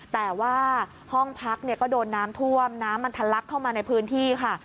แต่ว่าห้องพักเนี่ยก็โดนน้ำท่วมน้ำมันทะลักเข้ามาในพื้นที่ค่ะ